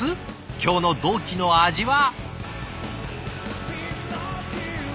今日の同期の味は。